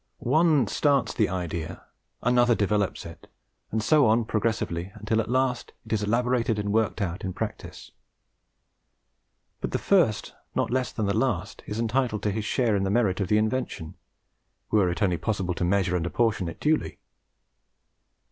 One starts the idea, another developes it, and so on progressively until at last it is elaborated and worked out in practice; but the first not less than the last is entitled to his share in the merit of the invention, were it only possible to measure and apportion it duly.